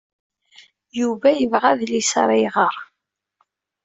Yuba yebɣa adlis ara iɣer.